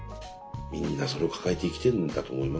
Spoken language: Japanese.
みんなそれを抱えて生きてるんだと思いますけどね。